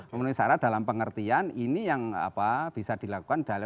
memenuhi syarat dalam pengertian ini yang bisa dilakukan